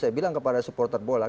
saya bilang kepada supporter bola